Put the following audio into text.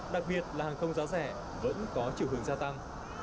đặc biệt là hàng không giá rẻ vẫn có chiều hướng gia tăng